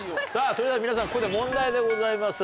それでは皆さん、ここで問題でございます。